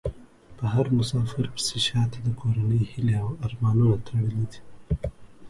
په هر مسافر پسې شا ته د کورنۍ هيلې او ارمانونه تړلي دي .